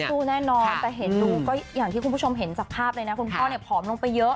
สู้แน่นอนแต่เห็นดูก็อย่างที่คุณผู้ชมเห็นจากภาพเลยนะคุณพ่อเนี่ยผอมลงไปเยอะ